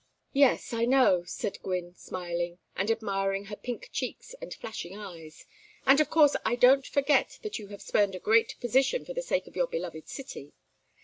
"Yes, I know," said Gwynne, smiling, and admiring her pink cheeks and flashing eyes. "And of course I don't forget that you have spurned a great position for the sake of your beloved city.